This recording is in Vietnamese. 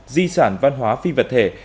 hai di sản văn hóa phi vật thể